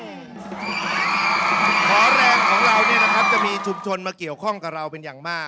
ขอแรงของเราจะมีชุมชนมาเกี่ยวข้องกับเราเป็นอย่างมาก